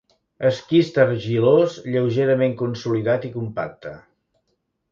Esquist argilós lleugerament consolidat i compacte.